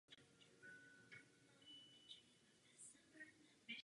Oběťmi rudých gard byly především bohaté rodiny a intelektuálové.